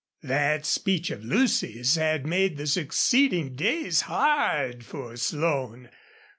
That speech of Lucy's had made the succeeding days hard for Slone.